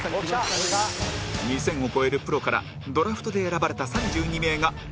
２０００を超えるプロからドラフトで選ばれた３２名が Ｍ リーガー